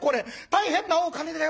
大変なお金だよ。